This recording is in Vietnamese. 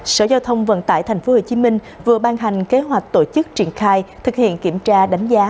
sở giao thông vận tải tp hcm vừa ban hành kế hoạch tổ chức triển khai thực hiện kiểm tra đánh giá